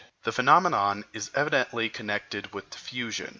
The phenomenon is evidently connected with diffusion.